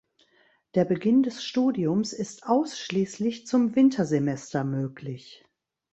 Der Beginn des Studiums ist ausschließlich zum Wintersemester möglich.